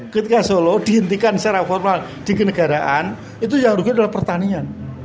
ketika solo dihentikan secara formal di kenegaraan itu yang rugi adalah pertanian